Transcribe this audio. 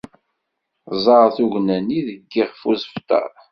Ẓer tugna-nni deg yixef usebter.